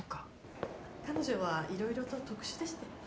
・彼女はいろいろと特殊でして。